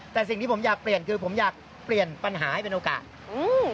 แต่สิ่งที่ผมอยากเปลี่ยนคือผมอยากเปลี่ยนปัญหาให้เป็นโอกาสอืม